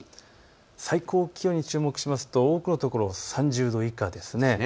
最高気温に注目すると多くの所３０度以下です。